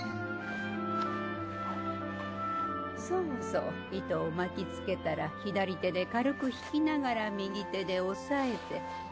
そうそう糸を巻きつけたら左手で軽く引きながら右手で押さえて。